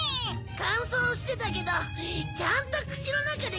乾燥してたけどちゃんと口の中でケーキに戻った！